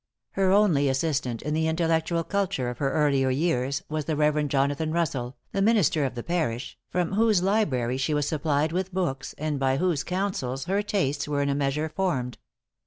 Her only assistant, in the intellectual culture of her earlier years, was the Rev. Jonathan Russell, the minister of the parish, from whose library she was supplied with books, and by whose counsels her tastes were in a measure formed.